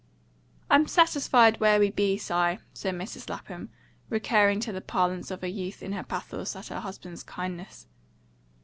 "I'm satisfied where we be, Si," said Mrs. Lapham, recurring to the parlance of her youth in her pathos at her husband's kindness.